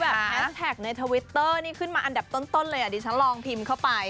แฮสแท็กในทวิตเตอร์นี่ขึ้นมาอันดับต้นเลยอ่ะดิฉันลองพิมพ์เข้าไป